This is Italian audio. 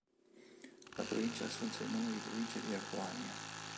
La provincia assunse il nome di provincia di Apuania.